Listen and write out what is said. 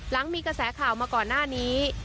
หลังมีกระแสข่าวมาก่อนหน้านี้